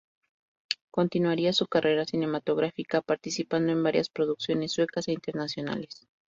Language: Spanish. Continuaría su carrera cinematográfica participando en varias producciones suecas e internacionales.